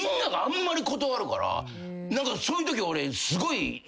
そういうとき俺すごい。